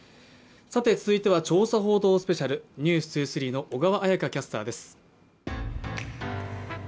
続いては調査報道スペシャル、「ｎｅｗｓ２３」の小川彩佳キャスターです。